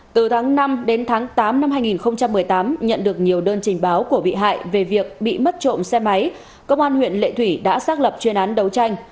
từ tháng năm đến tháng tám năm hai nghìn một mươi tám nhận được nhiều đơn trình báo của bị hại về việc bị mất trộm xe máy công an huyện lệ thủy đã xác lập chuyên án đấu tranh